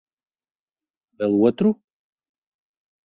Vēl otru?